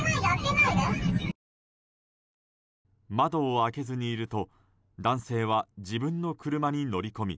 窓を開けずにいると男性は自分の車に乗り込み